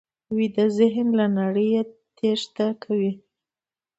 ویده ذهن له نړۍ تېښته کوي